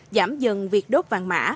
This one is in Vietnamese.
giảm dần việc đốt vàng mã